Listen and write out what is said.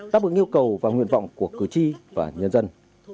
đáp ứng yêu cầu và nguyện vọng của cử tri và nhân dân